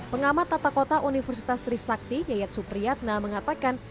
pengamat tata kota universitas trisakti yayat supriyatna mengatakan